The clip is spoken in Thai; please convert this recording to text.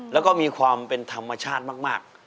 แล้วก็มีความเป็นธรรมชาติมาก